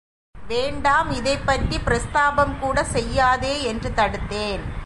வேண்டாம், இதைப்பற்றிப் பிரஸ்தாபம்கூடச் செய்யாதே என்று தடுத்தேன்.